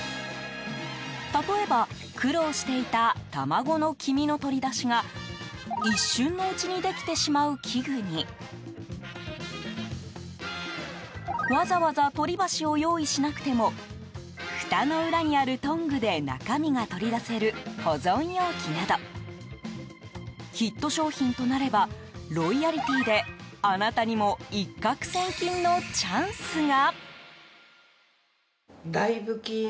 例えば、苦労していた卵の黄身の取り出しが一瞬のうちにできてしまう器具にわざわざ取り箸を用意しなくてもふたの裏にあるトングで中身が取り出せる保存容器などヒット商品となればロイヤリティであなたにも一攫千金のチャンスが？